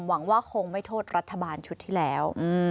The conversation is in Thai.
หวังว่าคงไม่โทษรัฐบาลชุดที่แล้ว